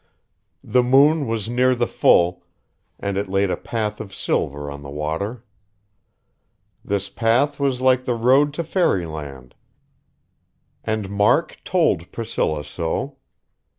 The moon was near the full, and it laid a path of silver on the water. This path was like the road to fairyland; and Mark told Priscilla so.